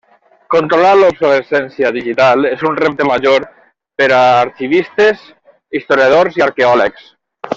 Controlar l'obsolescència digital és un repte major per a arxivistes, historiadors i arqueòlegs.